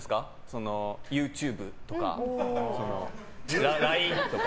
ＹｏｕＴｕｂｅとかＬＩＮＥとか。